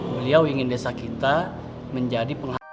beliau ingin desa kita menjadi penghasilan